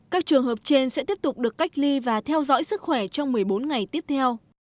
các trường hợp trên sẽ tiếp tục được cách ly và theo dõi sức khỏe trong một mươi bốn ngày tiếp theo